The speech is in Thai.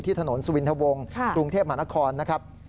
ถนนสุวินทะวงกรุงเทพมหานครนะครับ